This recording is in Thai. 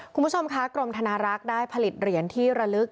คุณผู้ชมคะกรมธนารักษ์ได้ผลิตเหรียญที่ระลึก